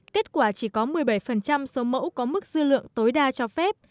kết quả chỉ có một mươi bảy số mẫu có mức dư lượng tối đa cho phép